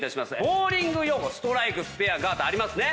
ボウリング用語ストライクスペアガターありますね。